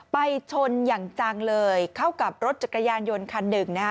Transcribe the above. ไปชนอย่างจังเลยเข้ากับรถจักรยานยนต์คันหนึ่งนะฮะ